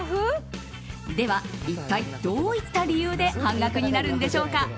では、一体どういった理由で半額になるんでしょうか。